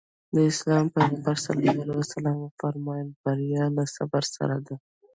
د اسلام پيغمبر ص وفرمايل بريا له صبر سره ده.